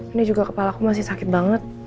ini juga kepala aku masih sakit banget